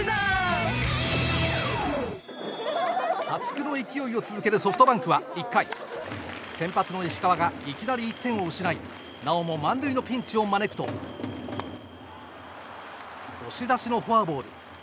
破竹の勢いを続けるソフトバンクは１回、先発の石川がいきなり１点を失いなおも満塁のピンチを招くと押し出しのフォアボール。